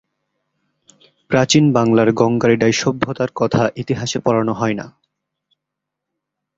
প্রাচীন বাংলার গঙ্গারিডাই সভ্যতার কথা ইতিহাসে পড়ানো হয়না।